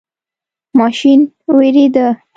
ماشین ویریده.